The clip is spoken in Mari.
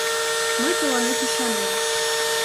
Мый тыланет ӱшанем.